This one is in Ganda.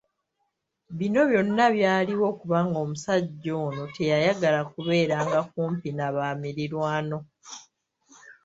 Bino byonna byaliwo kubanga omusajja ono teyayagala kubeera nga kumpi n'abamirirwano.